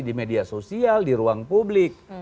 di media sosial di ruang publik